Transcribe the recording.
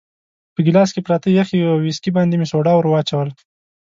په ګیلاس کې پراته یخي او ویسکي باندې مې سوډا ورو وراچول.